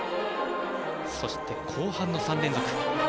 そして後半の３連続。